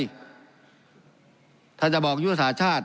การปรับปรุงทางพื้นฐานสนามบิน